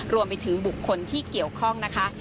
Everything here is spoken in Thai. รวมไปถึงบุคคลที่เกี่ยวข้องนะคะ